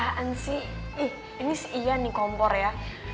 apaan sih ih ini si ian nih kompor ya